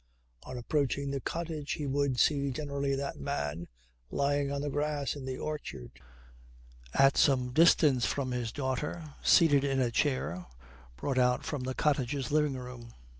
On approaching the cottage he would see generally "that man" lying on the grass in the orchard at some distance from his daughter seated in a chair brought out of the cottage's living room.